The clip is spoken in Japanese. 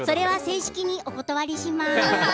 正式にお断りします。